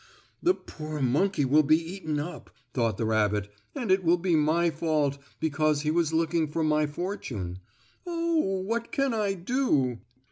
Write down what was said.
"The poor monkey will be eaten up," thought the rabbit, "and it will be my fault, because he was looking for my fortune. Oh! what can I do?"